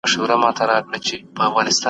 تاوتریخوالی هېڅ ستونزه نه حل کوي.